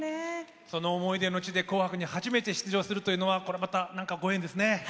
その思い出の地で紅白に初めて出場することはこれまた何かご縁ですね。